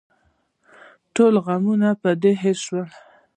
ټول غمونه به دې هېر شي.